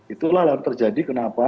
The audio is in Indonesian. itulah yang terjadi kenapa